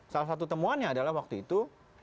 salah satu temuannya adalah waktu itu